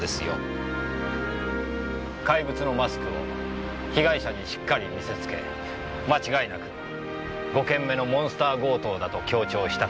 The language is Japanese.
怪物のマスクをしっかり被害者に見せつけ間違いなく５件目のモンスター強盗だと強調したかった。